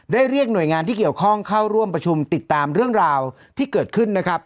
เรียกหน่วยงานที่เกี่ยวข้องเข้าร่วมประชุมติดตามเรื่องราวที่เกิดขึ้นนะครับ